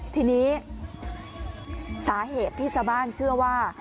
ทีนี้สาเหตุที่ชาวบ้านเชื่อว่า